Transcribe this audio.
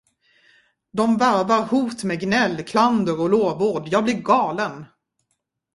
Dom varvar hot med gnäll, klander och lovord, jag blir galen.